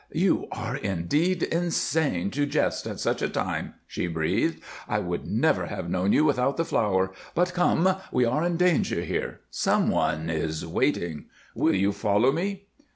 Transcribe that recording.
"You are indeed insane to jest at such a time," she breathed. "I would never have known you without the flower. But come we are in danger here. Some one is waiting. Will you follow me?"